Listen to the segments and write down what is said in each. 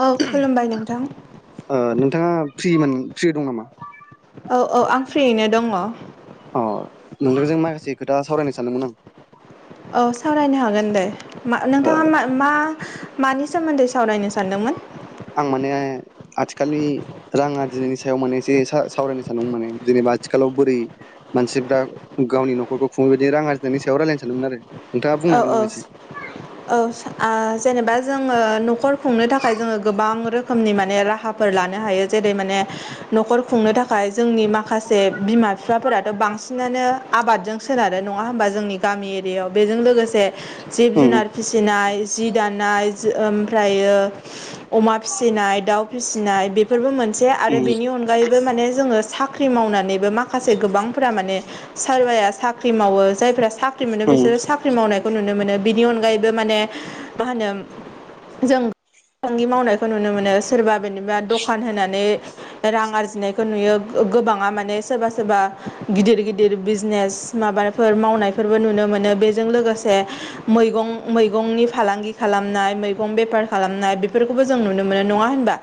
औ हेल' खुलुमबाय नोंथां ओ नोंथाङा फ्रिमोन फ्रि दं नामा औ औ आं फ्रियैनो दङ। अ नोंथां जों माखासे खोथा सावरायनो सानदोंमोन आं। औ सावरायनो हागोन दे मा नोंथाङा ओ मा मा मानि सोमोन्दै सावरायनो सानदोंमोन? आं माने आथिखालनि रां आरजिनायनि सायाव माने एसे सावरायनो सानदों माने जेनेबा आथिखालाव बोरै मानसिफ्रा गावनि न'खरखौ खुंङो बायदि रां आरजिनायनि सायाव रायल्लायनो सानदोंमोन आरो। नोंथाङा बुंनो औ हागोन नामा औ एसे औ आ जेनेबा जोङो न'खर खुंनो थाखाय जोङो गोबां रोखोमनि माने राहाफोर लानो हायो जेरै माने न'खर खुंनो थाखाय जोंनि माखासे बिमा बिफाफोराथ' बांसिनानो आबादजों सोनारो नङा होमबा जोंनि गामि एरियायाव बेजों लोगोसे जिब उम जुनार फिसिनाय जि दानाय ओमफ्रायो अमा फिसिनाय दाउ फिसिनाय बेफोरबो मोनसे आरो उम बेनि अनगायैबो माने जोङो साख ख्रि मावनानैबो माखासे गोबांफ्रा माने सोरबाया साख्रि मावो जायफ्रा साख्रि मोनो उम बिसोरो साख्रि मावनायखौ नुनो मोनो बिनि अनगायैबो माने मा होनो जों फालांगि मावनायखौ नुनो मोनो सोरबा बिदिबा दखान होनानै रां आरजिनायखौ नुयो गोबाङा माने सोरबा सोरबा गिदिर गिदिर बिजनेस माबाफोर मावनायफोरबो नुनो मोनो बे जों लोगोसे मैगं मैगंनि फालांगि खालामनाय मैगं बेफार खालामनाय बेफोरखौ बो जोंं नुनो मोनो नङा होमबा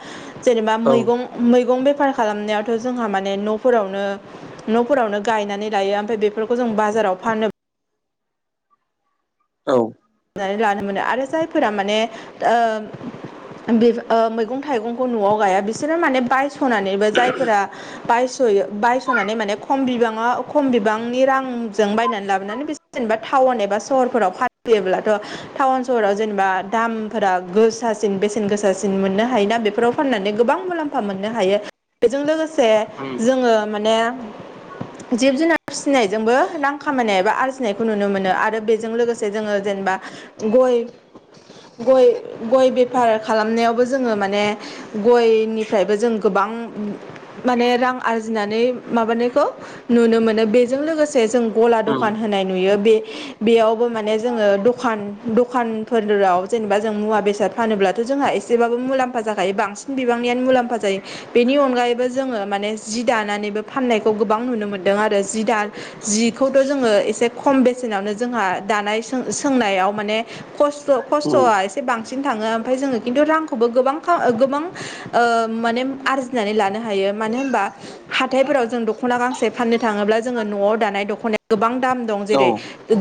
जेनेबा औ मैगं मैगं बे फार खालामनायावथ' जोंहा माने न' फोरावनो न' फोलावनो गायनानै लायो ओमफ्राय बेफोरखौ जों बाजार फोराव फानो औ नानै लानो मोनो आरो जायफोरा माने ओ- बि ओ- मैगं थाइगंखौ न'आव गाया बिसोरो माने बायस'नानैबो जायफोरा बायस ओयो बायस'नानै मान ख बिबांनि रांजों बायनानै लाबोनानै जबा थाव टाउन एबा सहफोराव फान फैयोब्लाथ' टाउन सहराव जेनेबा दामफोरा गोसासिन बेसेन गोसासिन मोननो हायोना बेफोराव फाननानै गोबां मुलाम्फा मोननो हायो बेजों लोगोसे उम जोङो। माने जिब जुनार फिसिनायजोंबो रां खामायनाय एबा आरजिनायखौ नुनो मोनो आरो बेजों लोगोसे जोङो जेनेबा गय गय गय बेफार खालामनायावबो जोङो माने गयनिफ्रायबो जों गोबां माने रां आरजिनानै माबानायखौ नुनो मोनो बेजों लोगोसे जों गला उम दखान होनाय नुयो बे बेयाव माने जोङो दखान दखानफोराव जेनेबा जों मुवा बेसाद फानोब्लाथ' जोंहा एसेब्लाबो मुलाम्फा जाखायो बांसिन बिबांनियानो मुलाम्फा जायो बेनि अनगायैबो जोङो माने जि दानानैबो फान फाननायखौ गोबां नुनो मोन्दों ।आरो जि दा जिखौथ' जोङो एसे खम बेसेनावनो जोंहा दानायों सोंनायाव माने खस्थ' उम खस्थ'आ एसे बांसिन बांसिन थाङो ओमफ्राय जोङो खिन्थु रांखौबो गोबां गोबां ओ- माने आरजिनानै लानो हायो। मानो होनबा हाथायफोराव जों दख'ना गांसे फाननो थाङोब्ला जोङो न'आव दानाय दख'नाय गोबां दाम दं औ जेरै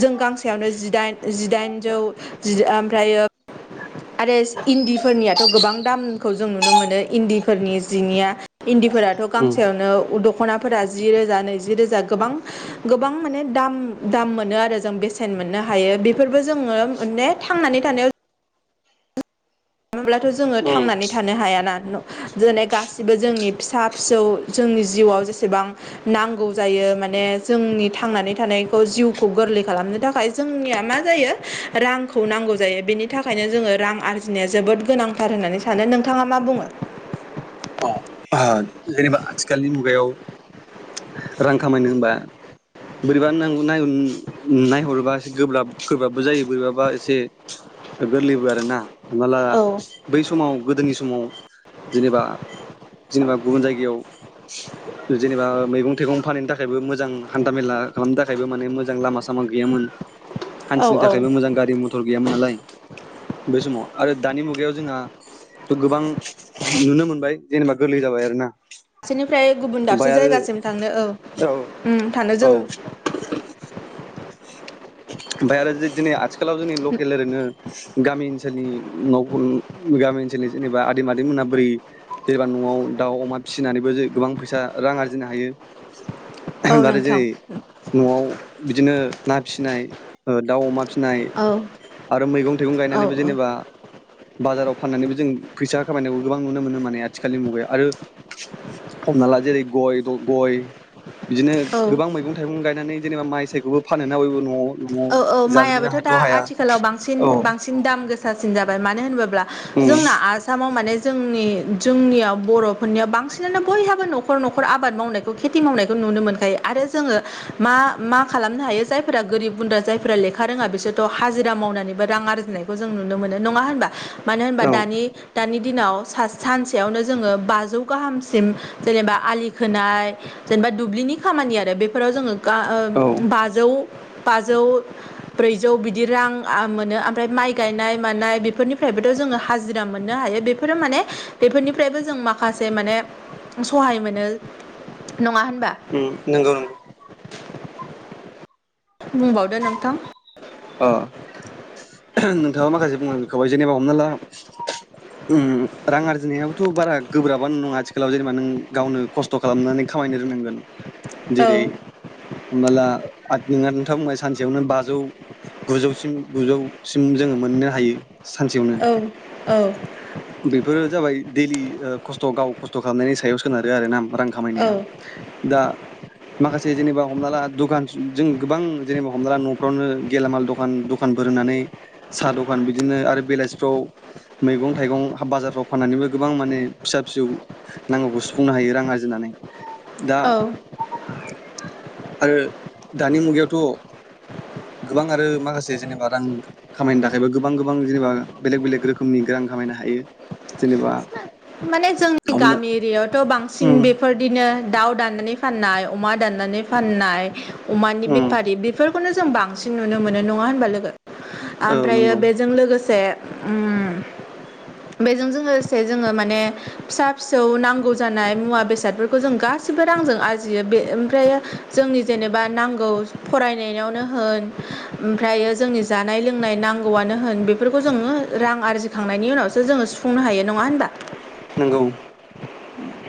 जों गांसेयावनो जिदाइन जिदाइननौ जि ओमफ्रायो आरो इन्दिफोरनियाथ' गोबां दामखौ जों नुनो मोनो इन्दिफोरनि जिनिया इन्दि फोरथ' उम गांसेयावनो उद खनाफोरा जि रोजा नैज रोजा गोबां गोबां माने दाम दाम मोनो आरो जों बे मोननो हायो बेफोरबो जोङो माने थांनानै थानायाव थाब्लाथ' जोङो उम थांनानै थानो हायाना न- जेरै गासिबो जोंनि फिसा फिसौ जोंनि जिउआव जेसेबां नांगौ जायो माने जोंनि थांनानै थानायखौ जिउखौ गोरलै खालामो। नो थाखाय जोंनि मा जायो रांखौ नांगौ जायो बेनि थाखायनो जोङो रां आरजिनाय ज जोबोद गोनांथार होननानै सानो नोंथाङा मा बुङो। ओ- जेनेबा आथिखालनि मुगायाव रां खामायनो होनबा बोरैबा नांगौनाय नायहरोबा एसे गोब्राब गोब्राबबो जायो बोरैबाबा एसे गोरलैबो आरोना हमना ला औ बै समाव गोदोनि समाव जेनेबा जेनेबा गुबुन जायगायाव जेनेबा मैगं थाइगं फानहैनो थाखायबो मोजां हान्था मेला खालामनो थाखायबो माने मोजां लामा सामा गैयामोन औ हान्थिनो थाखायबो मोजां गारि मथर गैयामोन नालाय। बे समाव आरो दानि मुगायाव जोंहा' गोबां नुनो मोनबाय। जेनेबा गोरलै जाबाय आरो ना। दाबसेनिफ्राय गुबुन दाबसे ओमफ्राय जायगासिम थांनो औ औ थानो जों औ [inaudible] ओमफ्राय आरो जोदि आथिखालाव जोंनि लकेल ओरैनो गामि ओनसोलनि नखुन गामि ओनसोलनि जेनेबा आदैमादैमोना बोरै जेनेबा न'आव दाउ अमा फिसिनानैबो जे गोबां फैसा रां आरजिनो हायो। औ आरो नोंथां जेरै न'आव बिदिनो ना फिसिनाय दाउ अमा फिनाय फिनाय औ आरो मैगं थाइगं औ गायनानैबो जेनेबा औ बाजाराव फाननानैबो जों फैसा खामायनायखौ गोबां नुनो मोनो। माने आथिखालनि मुगायाव आरो हमना ला जेरै गय द गय बिदिनो औ गोबां मैगं थाइगं गायनानै जेनेबा माइ सायखौबो फानो ना बयबो न'आव न'आव औ औ जाजोबनो माइयाबोथ' दा हायाथ' हाया आथिखालाव बांसिन औ बांसिन दाम गोसासिन जाबाय मानो होनोब्ला उम जोंना आसाम माव माने जोंनि जोंनियाव बर'फोरनियाव बांसिनानो बयहाबो न'खर न'खर आबाद मावनायखौ खेथि नायखौ नुनो मोनखायो आरो जोङो मा मा खालामनो हायो जायफोरा गोरिब गुनद्रा जाय फोरफोरा लेखा रोङा बिसोरथ' हाजिरा मावनानैबो रां आरजिनायखौ जों नुनो मोनो नङा होनबा मानो होनबा औ दानि दानि दिनाव सानसेयावनो जोङो बाजौ गाहामसिम जेनेबा आलि खोनाय जेनेबा दुब्लिनि खामानि आरो बेफोराव जोङो गा औ ओ बाजौ बाजौ ब्रैजौ बिदि रां मोनो ओमफ्राय माइ गायनाय मानाय बेफोरनिफ्रायबोथ' जोङो हाजिरा मोनो। मोननो हायो बेफोरो माने बेफोरनिफ्रायबो जों माखासे माने सहाय मोनो। नङा होनबा ओम नंगौ नंगौ। बुंबावदो नोंथां ओ नोंथाङा माखासे बुंलां बेखौहाय जेनेबा हमना ला ओम रां आरजिनायाबोथ' बारा गोब्राबानो नङा आथिखालाव जेनेबा नों गावनो खस्थ' खालामनानै खामायनो रोंनांगोन। औ जेरै हमना ला नों नोंथांङा बुंबाय सानसेयावनो बाजौ गुजौसिम गुजौसिम जोङो मोननो हायो। सानसेयावनो औ औ बेफोरो जाबाय दैलि खस्थ' गाव खस्थ' स्थ' खालामनायनि सायाव सोनारो आरो ना रां औ खामायनाया दा माखासे जेनेबा हमना ला दुखान जों गोबां जेनेबा हमना ला न'फ्रावनो गेलामाल दखान दखानफोर होनानै साहा दखान बिदिनो आरो बेलासिफ्राव मैगं थाइगं बाजारफ्राव फाननानैबो गोबां माने फिसा फिसौ नांगौखौ सुफुंनो हायो रां आरजिनानै। नै औ आरो दानि मुगायावथ' गोबां आरो माखासे जेनेबा रां खामायनो थाखायबा गोबां गोबां जेनेबा बेलेग बेलेग रोखोमनि रां खामायनो हायो जेनेबा माने जोंनि हमना गामि एरियायावथ' बांसिन उम बेफोरबायदिनो दाउ दान्नानै फाननाय अमा दाननानै फाननाय अमानि उम बेफारि बेफोर खौनो जों बांसिन नुनो मोनो नङा होनबा लोगो? औ ओमफ्रायो नंगौ बेजों लोगोसे ओम बेजों जों लोगोसे जोङो मा माने फिसा फिसौ नांगौ जानाय मुवा बेसादफोरखौ जों गासिबो रांजों आरजियो बे ओमफ्राय यो‌ जोंनि जेनेबा नांगौ फरायनायावनो होन ओमफ्रायो‌ जोंनि जानाय लोंनाय नांगौआनो होन बेफोरखौ जोङो रां आरजिखांनायनि उनावसो जोङो सुफुंनो हायो नङा होनबा? नंगौ। उ [inaudible]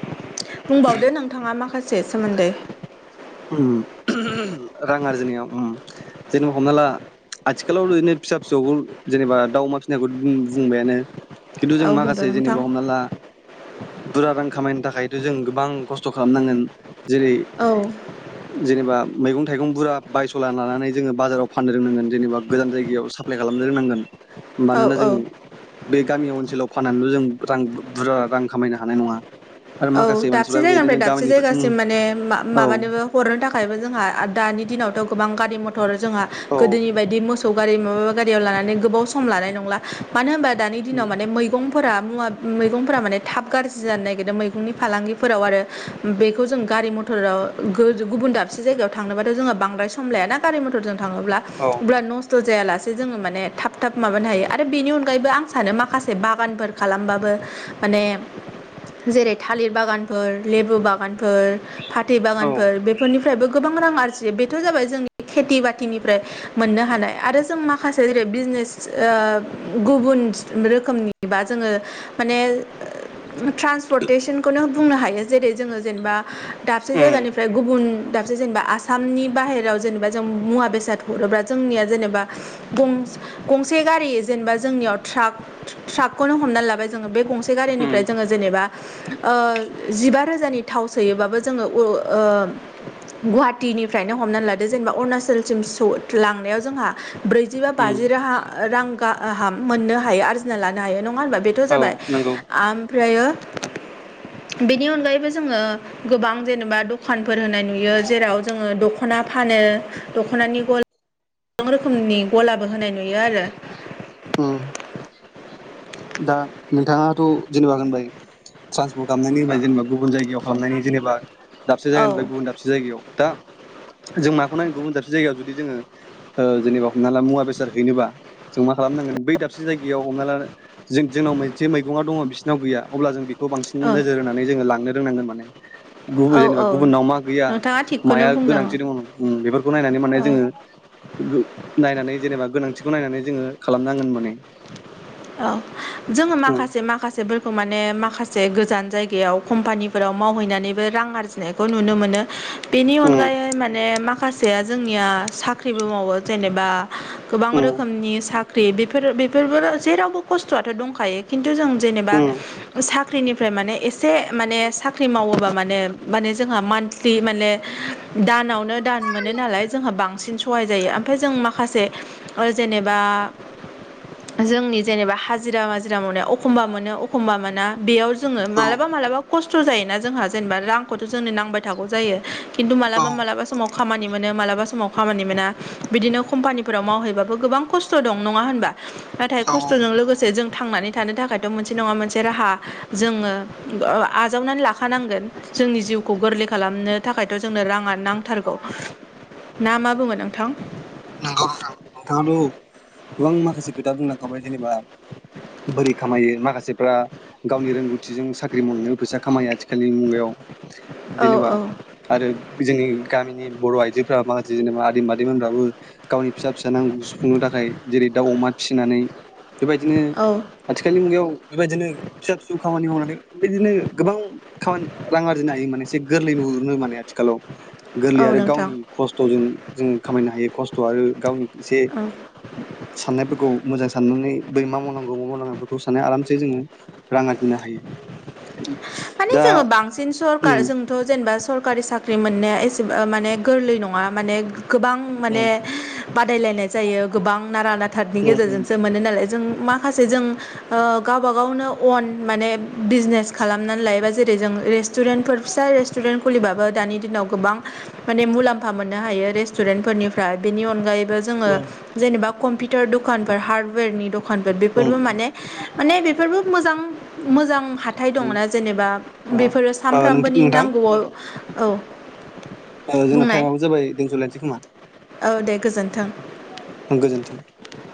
बुंबावदो नोंथाङा माखासे सोमोन्दै ओम रां आरजिनायाव जेनेबा हमना ला आथिखालाव ओरैनो फिसा फिसौखौ जेनेबा दा अमा फिसिनायखौ बुंबायानो खिन्थु जों औ बुंदो माखासे नोंथां जेनेबा हमना ला बुरजा रां खामायनो थाखायथ' जों गोबां खस्थ' खालामनांगोन जेरै औ जेनेबा मैगं थाइगं बुरजा बायस'ला लानानै जोङो बाजाराव फाननो रोंनांगोन जेनेबा गोजान जायगायाव साप्लाय खालामनो रोंनांगोन। औ मानोना जों औ बे गामि ओनसोलाव फाननानैल' जों रां बुरजा रां खामायनो हानाय नङा। आरो औ माखासे दाबसे मानसिफ्रा जायगानिफ्राय बेबायदिनो दाबसे गामिनिफ्राय उम जायगासिम माने मा औ माबानोबो हरनो थाखायबो जोंहा दानि दिनावथ' गोबां गारि मथर जोंहा औ गोदोनि बायदि मोसौ गारि माबा गारियाव लानानै गोबाव सम लानाय नंला मानो होनबा दानि दिनाव उम माने मैगंफोरा मुवा मैगंफोरा माने थाब गाज्रि जानो नागिरदों मै नि फालांगिफोराव आरो बेखौ जों गारि मथराव गुबुन दाबसे जायगायाव थांनोबाथ जोङो बांद्राय सम लायाना गारि मथरजों थांङोब्ला औ अब्ला नसथ' जा जायालासे जोङो माने थाब थाब माबानो हायो आरो बेनि अनगायैबो आं सानो माखासे बागानफोर खालामबाबो माने जेरै थालिर बागानफोर लेबु बागानफोर फाथै औ बागानफोर बेफोरनि फ्रायबो गोबां रां आरजियो बेथ' जाबाय जोंनि खेथि बाथिनिफ्राय मोननो हानाय आरो जों माखासे जेरै बिजेनेस गुबुन रोखोमनिबा जोङो माने ट्रान्सपर्टेसनखौनो बुंनो हायो जेरै जोङो जेनेबा दाबसे उम जायगानिफ्राय गुबुन दाबसे जेनेबा आसामनि बाहेरायाव जेनेबा जों मुवा बेसाद हल' जोंनि जेनेबा गंसे गारि जेनेबा जोंनिआव ट्राक ट्राकखौनो हमनानै लांबाय जोङो बे गंसे उम गारिनिफ्राय जोङो जेनेबा ओ जिबा रोजानि थाव सोयोबाबो जोङो ओ गुवाहाटीनिफ्रायनो हमनानै लादो जेनेबा अरुणाचलसिम स लांनायाव जोंहा ब्रैजिबा उम बाजि राहा रां गाहाम मोननो हायो आर्जिना लानो हायो न नङा होनबा बेथ औ जाबाय नंगौ ओमफ्रायो [inaudible] बेनि अनगायैबो जोङो गोबां जेनेबा दखानफोर होनाय नुयो जेराव जोंङो दख'ना फानो दख'नानि गला गोबां रोखोमनि गलाबो होनाय नुयो आरो दा नोंथाङाथ जेनेबा होनबाय ट्रानस खालामनायनि होनोब जेनेबा गुबुन जायगायाव खालामनायनि जेनेबा दाबसे औ जायगानिफ्राय गुबुन दाबसे जायगायाव दा जों माखौ नांगोन गुबुन जााबसे जायगायाव जुदि जोङो ओ जेनेबा हमना ला मुवा बेसाद हैनोबा जों मा खालामनांगोन बै दाबसे जायगायाव हमना ला जों जोंनाव जे मैगं दङ बिसिरनाव गैया अब्ला जों बेखौ बांसिन औ नोजोर होनानै जोङो लांनो रोंनांगोन माने गुबुन औ जेनेबा औ गुबुननाव मा गैया नोंथाङा थिगखौनो माया बुंदों गोनांथि दङ बेफोरखौ नायनानै माने औ जोंङो नायनानै जेनेबा गोनांथिखौ नायनानै जोंङो खालामनांगोन माने औ जोंङो उम माखासे माखासेफोरखौ माने माखासे से गोजान जायगायाव कम्पानिफोराव मावहैनानैबो रां आरजिनायखौ नुनो मोनो बेनि उम अनगायै माने माखासेया जोंनिया साख्रिबो मावो जेनेबा गोबां उम रोखोमनि साख्रिफोर बेफोरबो जेरावबो खस्थ आथ दंखायो खिन थु जों जेनेबा उम साख्रिनिफ्राय माने एसे माने साख्रि मावोबा माने माने जों जोंहा मानलि माने दानावनो दान मोनोनालाय जोंहा बांसिन सहाय जायो ओमफ्राय जों माखासे जेनेबा जोंनि जेनेबा हाजिरा माजिरा मावनाय अखम्बा मोनो अखम्बा मोना बेयाव जोंङो औ मालाबा मालाबा खस्थ जायोना जोंहा जेनेबा रांखौथ जोंनो नांबाय थागौ जायो खिन्थु औ मालाबा लाबा समाव खामानि मोनो मालाबा समाव खामानि मोना बिदिनो कम्पानिफोराव मावहैबाबो गोबां खस्थ‌दं नङा होनबा नाथाय औ खस्थ'जों लोगोसे जों थांनानै थानो थाखायथ मोनसे नङा मोनसे राहा जोङो आजावनानै लाखानांगोन जोंनि जिउखौ गोरलै खालामनो थाखायथ' जोंनो राङा नांथारगौ ना मा बुङो नोंथां नंगौ नोंथां नोंथांआथ' गोबां माखासे खोथा बुंलांखांबाय जेनबा बोरै खामायो माखासेफ्रा गावनि रोंगौथिजों साख्रि मावनायनि फैसा खामायो आथिखालनि मुगायाव औ जेनेबा औ आरो जोंनि गामिनि बर' आइजोफोरा माखासे जेनेबा आदै मादैमोनबाबो गावनि फिसा फिसा नांगौ सुफुंनो थाखाय जेरै दाउ अमा फिसिनानै बेबायदिनो औ आथिखालनि मुगायाव बेबायदिनो फिसा फिसौ खामानि मावनांगौ बिदिनो गोबां खामानि रां आरजिनो हायो माने एसे गोरलै नुहुरनो माने आथिखालाव गोरलै औ आरो नोंथां गावनि खस्थजों जोंङो खामायनो हायो खस्थ आरो गावनि एसे साननायफोरखौ मोजां साननानै बै मा मावनांगौ मा मावनांगौ बेखौ साननानै आरामसे जोङो रांं आरजिनो हायो माने दा जोङो बांसिन सरखार उम जोंथ जेनेबा सरकारि साख्रि मोननाया एसेबां माने गोरलै नङा माने गोबां माने उम बादायलायनाय जायो गोबां नारा नाथाथनि उम उम गेजेरजोंसो मोनो नालाय जों माखासे जों ओ गावब गावनो अन माने बिजनेस खालामनानै लायोबा जेरै जों रेस्टुरेन्टफोर फिसा रेस्टुरेन्ट खुलिबाबो दानि दिनाव गोबां माने मुलाम्फा मोननो हायो रेस्टुरेन्टफोरनिफ्राय बेनि अनगायै ओ जोङो उम जेनेबा कम्पिउटार दकान बा हार्दउवेरनि द खानफोर उम बेफोरबो माने माने बेफोरबो मोजां मोजां हा थाय उम दंना जेनेबा ओ बेफोरो ओ सानफ्रामबोनि नोंथां नांगौआव औ ओ जोंना बुंनाय टाइमाबो जाबाय दोनथ'लायनोसै खोमा । औ दे गोजोन्थों । ओ गोजोनथों ।